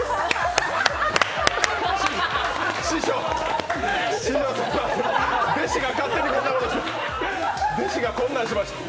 師匠、弟子が勝手にこんなんしました。